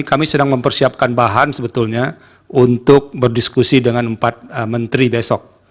kami sedang mempersiapkan bahan sebetulnya untuk berdiskusi dengan empat menteri besok